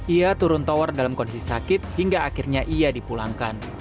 ia turun tower dalam kondisi sakit hingga akhirnya ia dipulangkan